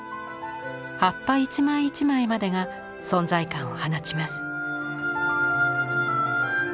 葉っぱ一枚一枚までが存在感を放ちます。